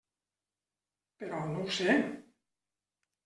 Però no ho sé.